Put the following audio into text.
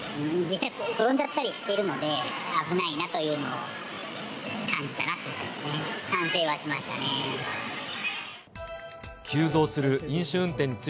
実際、転んじゃったりしてるので、危ないなというのを感じたなと。